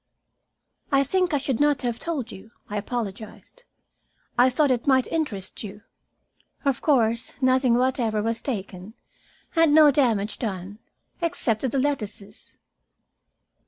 "I think I should not have told you," I apologized. "I thought it might interest you. Of course nothing whatever was taken, and no damage done except to the lettuces."